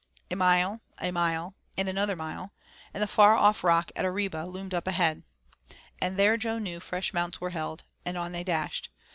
A mile a mile and another mile, and the far off rock at Arriba loomed up ahead. And there Jo knew fresh mounts were held, and on they dashed.